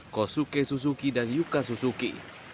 kosuke suzuki dan yuka suzuki